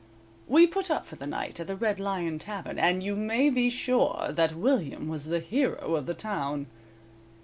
We put up for the night at the Red Lion Tavern, and you may be sure that William was the hero of the town.